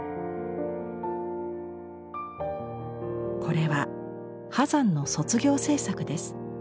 これは波山の卒業制作です。